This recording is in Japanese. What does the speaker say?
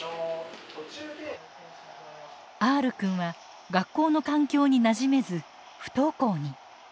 Ｒくんは学校の環境になじめず不登校に。